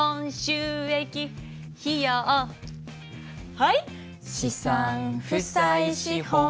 はい！